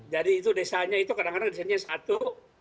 jadi itu desanya itu kadang kadang desanya satu